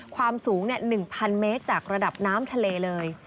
ความสูง๑๐๐เมตรจากระดับน้ำทะเลเลย